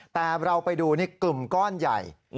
แต่เราไปดูนี่กลุ่มก้อนใหญ่